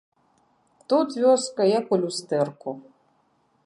Тут вёска як у люстэрку.